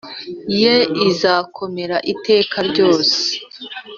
Ye izakomera iteka ryose